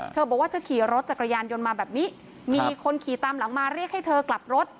บอกว่าจะขี่รถจักรยานยนต์มาแบบนี้มีคนขี่ตามหลังมาเรียกให้เธอกลับรถ